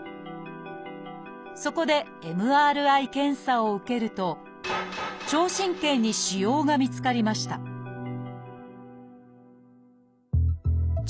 そこでＭＲＩ検査を受けると聴神経に腫瘍が見つかりました聴